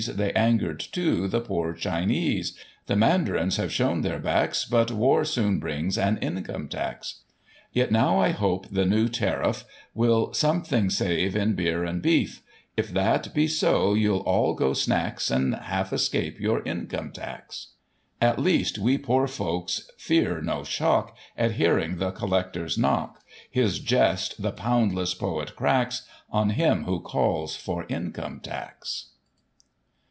They anger'd, too, the poor Chinese, The Mandarins have shown their backs, But war soon brings an Income Tax. Yet now I hope the new tariff Will something save in beer and beef ; If that be so, you'll all go snacks, And half escape your Income Tax. At least, we poor folks fear no shock At hearing the collector's knock ; His jest, the poundless poet cracks On him who calls for Income Tax."